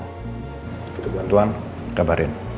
untuk bantuan kabarin